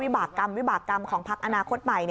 บากรรมวิบากรรมของพักอนาคตใหม่